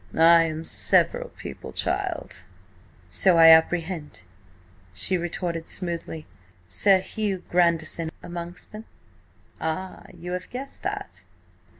"I am several people, child." "So I apprehend," she retorted smoothly. "Sir Hugh Grandison amongst them?" "Ah, you have guessed that?"